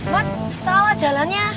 mas salah jalannya